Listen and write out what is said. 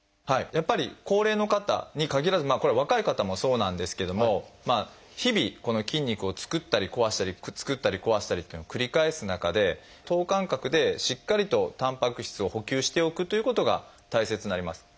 やっぱり高齢の方に限らずまあこれは若い方もそうなんですけども日々筋肉を作ったり壊したり作ったり壊したりっていうのを繰り返す中で等間隔でしっかりとたんぱく質を補給しておくということが大切になります。